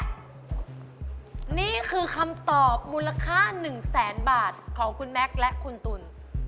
นี่คือคำตอบมูลค่า๑แสนบาทของคุณแม็กซ์และคุณตุ๋น